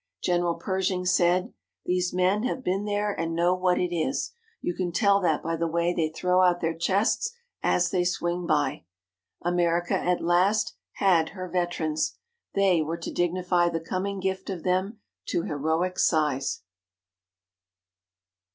General Pershing said: "These men have been there and know what it is. You can tell that by the way they throw out their chests as they swing by." America at last had her veterans. They were to dignify the coming gift of them to heroic size.